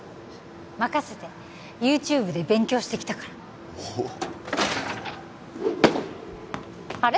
任せてＹｏｕＴｕｂｅで勉強してきたからあれ？